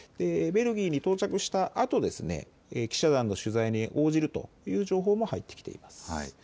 ベルギーに到着したあと記者団の取材に応じるという情報も入ってきています。